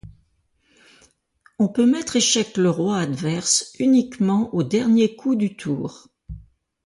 On peut mettre échec le roi adverse uniquement au dernier coup du tour.